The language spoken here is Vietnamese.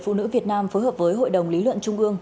phụ nữ việt nam phối hợp với hội đồng lý luận trung ương